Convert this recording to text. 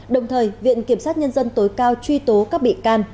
đồng thời viện kiểm sát nhân dân tối cao truy tố các biện pháp